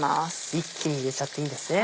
一気に入れちゃっていいんですね。